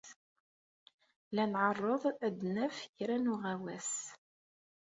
La nɛerreḍ ad d-naf kra n uɣawas.